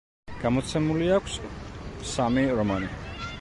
გამოცემული აქვს სამი რომანი.